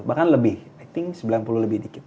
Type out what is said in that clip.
bahkan lebih acting sembilan puluh lebih dikit